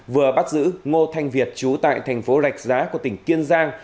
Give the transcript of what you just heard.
vừa bắt giữ ngô thanh việt trú tại thành phố rạch giá của tỉnh kiên giang